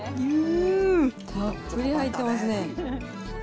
たっぷり入ってますね。